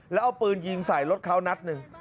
แล้วเอาปืนยิงใส่รถเขานัดหนึ่ง